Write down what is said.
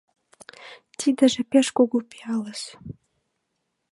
Тидыже пеш кугу пиалыс.